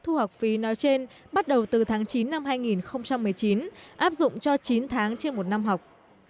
thu học phí nói trên bắt đầu từ tháng chín năm hai nghìn một mươi chín áp dụng cho chín tháng trên một năm học